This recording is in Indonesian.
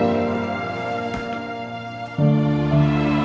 aku mau denger